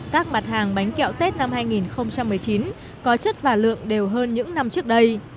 các mặt hàng bánh kẹo tết năm hai nghìn một mươi chín có chất và lượng đều hơn những năm trước đây